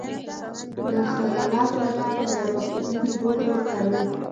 د خیالاتو لپاره د ارواپوهنې بوټي وکاروئ